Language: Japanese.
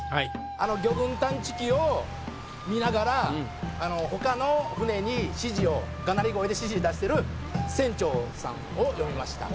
あの魚群探知機を見ながらあのがなり声で指示を出してる船長さんを詠みました。